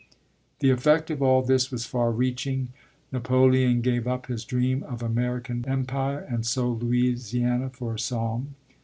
The effect of all this was far reaching. Napoleon gave up his dream of American empire and sold Louisiana for a song.